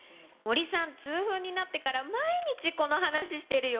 森さん、痛風になってから、毎日この話してるよ。